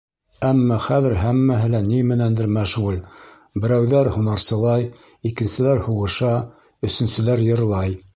Әммә хәҙер һәммәһе лә ни менәндер мәшғүл: берәүҙәр һунарсылай, икенселәр һуғыша, өсөнсөләр йырлай.